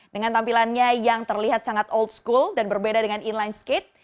dengan tampilannya yang terlihat sangat old school dan berbeda dengan inline skate